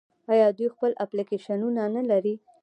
آیا دوی خپل اپلیکیشنونه نلري؟